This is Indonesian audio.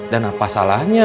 dan apa salahnya